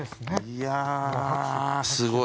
いやすごい。